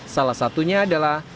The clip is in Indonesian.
salah satunya adalah